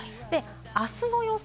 あすの予想